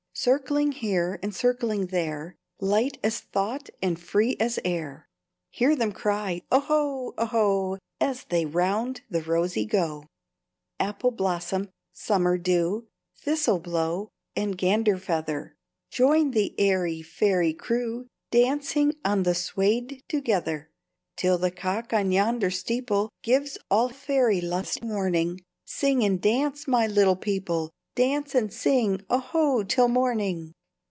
"Circling here and circling there, Light as thought and free as air, Hear them cry, 'Oho, oho,' As they round the rosey go. "Appleblossom, Summerdew, Thistleblow, and Ganderfeather! Join the airy fairy crew Dancing on the swaid together! Till the cock on yonder steeple Gives all faery lusty warning, Sing and dance, my little people, Dance and sing 'Oho' till morning!"